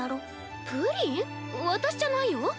私じゃないよ。